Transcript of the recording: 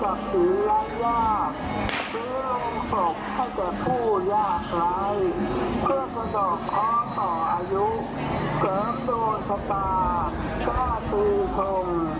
เพื่อกระดูกพร้อมต่ออายุเสริมโดนทับตากล้าสูงโครง